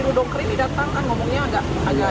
itu tapi ini sering kesini atau gimana